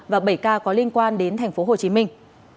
và bảy ca có liên quan đến thành phố hồ chí minh